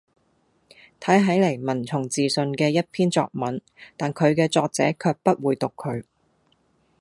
睇起嚟文從字順嘅一篇作文，但佢嘅作者卻不會讀佢